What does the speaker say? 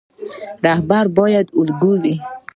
رهبر باید الګو وي